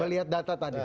melihat data tadi